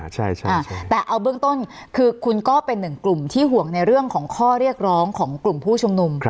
ใช่แต่เอาเบื้องต้นคือคุณก็เป็นหนึ่งกลุ่มที่ห่วงในเรื่องของข้อเรียกร้องของกลุ่มผู้ชุมนุม